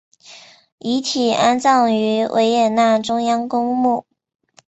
遗体安葬于维也纳中央公墓。